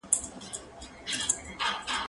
زه پرون مکتب ته وم؟